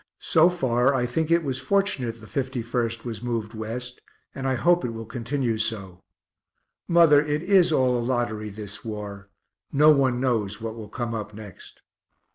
So far I think it was fortunate the 51st was moved West, and I hope it will continue so. Mother, it is all a lottery, this war; no one knows what will come up next.